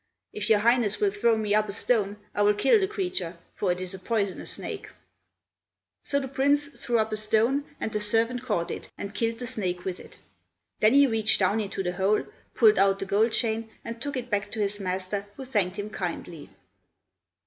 If your Highness will throw me up a stone, I will kill the creature, for it is a poisonous snake." So the Prince threw up a stone, and the servant caught it, and killed the snake with it. Then he reached down into the hole, pulled out the gold chain, and took it back to his master, who thanked him kindly.